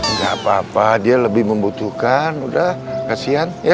enggak apa apa dia lebih membutuhkan udah kasihan ya